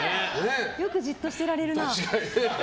よくじっとしてられるな。